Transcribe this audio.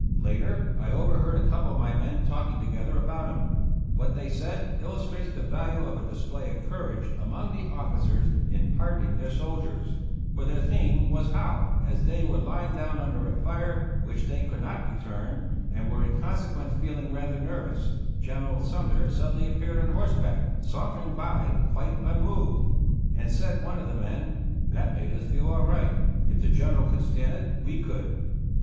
Later I overheard a couple of my men talking together about him. What they said il lustrates the value of a display of courage among the officers in hardening their soldiers; for their I2S THE ROUGH RIDERS theme was how, as they were lying down under a fire which they could not return, and were in con sequence feeling rather nervous, General Sumner suddenly appeared on horseback, sauntering by quite unmoved ; and, said one of the men, " That made us feel all right. If the General could stand it, we could."